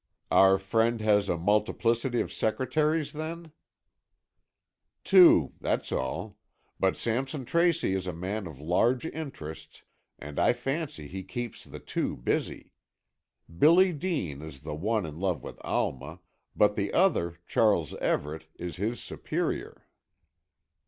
"Our friend has a multiplicity of secretaries, then?" "Two, that's all. But Sampson Tracy is a man of large interests, and I fancy he keeps the two busy. Billy Dean is the one in love with Alma, but the other, Charles Everett, is his superior."